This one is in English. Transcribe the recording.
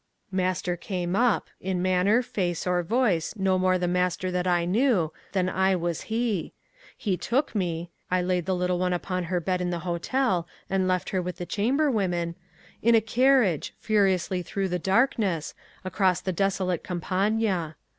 Master came up—in manner, face, or voice, no more the master that I knew, than I was he. He took me (I laid the little one upon her bed in the hotel, and left her with the chamber women), in a carriage, furiously through the darkness, across the desolate Campagna.